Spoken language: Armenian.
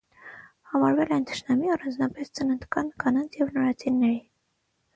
Համարվել են թշնամի՝ առանձնապես ծննդկան կանանց և նորածինների։